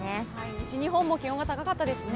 西日本も気温が高かったですね。